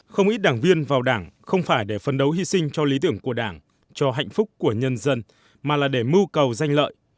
không ít đảng viên vào đảng không phải để phấn đấu hy sinh cho lý tưởng của đảng cho hạnh phúc của nhân dân mà là để mưu cầu danh lợi